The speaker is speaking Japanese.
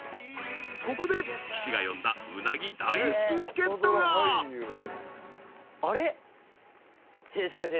［ここで岸が呼んだうなぎ大好き助っ人が］違います